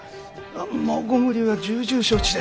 もうご無理は重々承知で。